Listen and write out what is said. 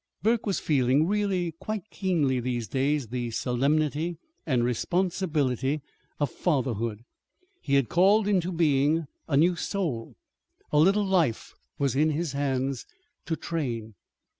Burke was feeling really quite keenly these days the solemnity and responsibility of fatherhood. He had called into being a new soul. A little life was in his hands to train.